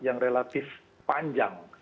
yang relatif panjang